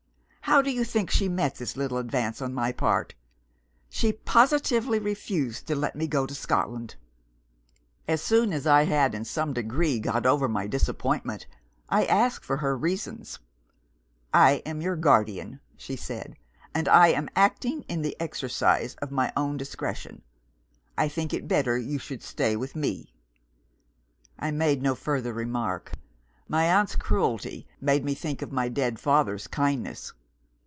How do you think she met this little advance on my part? She positively refused to let me go to Scotland. "As soon as I had in some degree got over my disappointment, I asked for her reasons. 'I am your guardian,' she said; 'and I am acting in the exercise of my own discretion. I think it better you should stay with me.' I made no further remark. My aunt's cruelty made me think of my dead father's kindness.